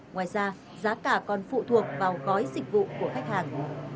ngoài ra giá cả còn phụ thuộc vào gói dịch vụ của khách hàng